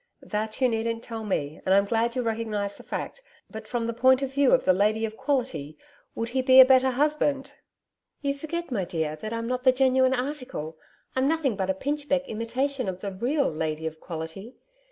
'That you needn't tell me; and I'm glad you recognise the fact. But from the point of view of "The Lady of Quality," would he be a better husband?' 'You forget, my dear, that I'm not the genuine article. I'm nothing but a pinchbeck imitation of the real "Lady of Quality."